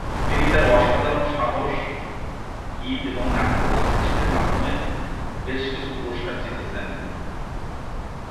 তিনি তাঁর অসাধারণ সাহস, গীত এবং নাচের বৈশিষ্ট্যের মাধ্যমে বেশ কিছু পুরস্কার জিতেছেন।